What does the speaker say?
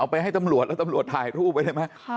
ไปให้ตำรวจแล้วตำรวจถ่ายรูปไว้ได้ไหม